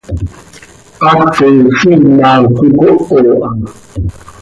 Haaco hiima cöhocoho ha.